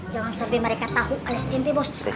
jangan sampai mereka tahu alias tmp bos